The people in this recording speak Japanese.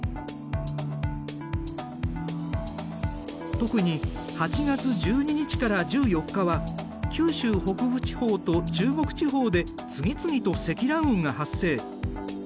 特に８月１２日から１４日は九州北部地方と中国地方で次々と積乱雲が発生。